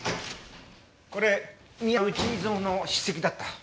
これ宮内美津保の筆跡だった。